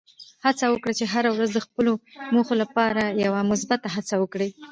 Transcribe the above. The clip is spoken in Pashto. هڅه وکړه چې هره ورځ د خپلو موخو لپاره یوه مثبته هڅه وکړې.